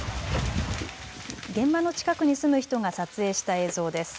現場の近くに住む人が撮影した映像です。